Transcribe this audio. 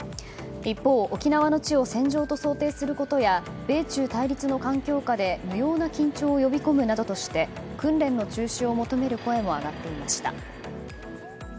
一方、沖縄の地を戦場と想定することや米中対立の緊張下で無用な緊張を呼び込むなどとして訓練の中止を求める声も上がっていました。